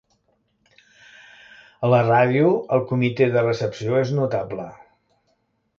A la ràdio, el comitè de recepció és notable.